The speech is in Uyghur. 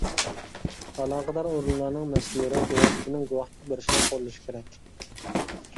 ئالاقىدار ئورۇنلارنىڭ مەسئۇللىرى گۇۋاھچىنىڭ گۇۋاھلىق بېرىشىنى قوللىشى كېرەك.